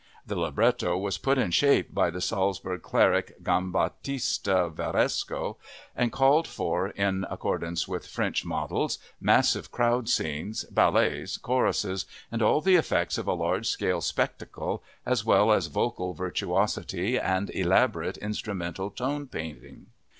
The libretto was put in shape by the Salzburg cleric, Giambattista Varesco, and called for, in accordance with French models, massive crowd scenes, ballets, choruses, and all the effects of a large scale spectacle as well as vocal virtuosity and elaborate instrumental tone painting.